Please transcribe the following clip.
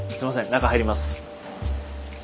中入ります。